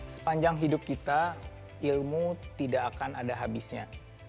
sepanjang hidup kita ilmu tidak akan ada habisnya